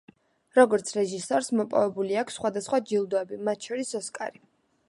როგორც რეჟისორს, მოპოვებული აქვს სხვადასხვა ჯილდოები, მათ შორის ოსკარი.